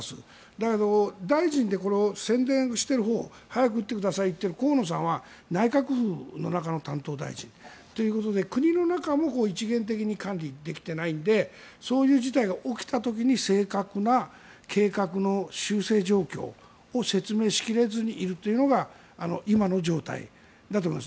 だけど、大臣でこれを宣伝しているほう早く打ってくださいという河野さんは内閣府の中の担当大臣ということで国の中も一元的に管理できていないんでそういう事態が起きた時に正確な計画の修正状況を説明しきれずにいるというのが今の状態だと思います。